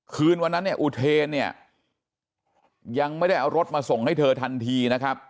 คืนวันนั้นเนี่ยอุเทนเนี่ยยังไม่ได้เอารถมาส่งให้เธอทันทีนะครับ